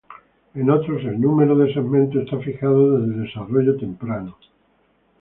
En otros el número de segmentos está fijado desde el desarrollo temprano.